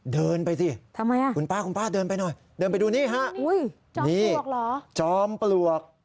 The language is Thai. เดินไปสิคุณป้าเดินไปหน่อยเดินไปดูนี่ค่ะนี่จอมปลวก